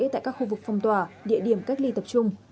tại các khu vực phong tỏa địa điểm cách ly tập trung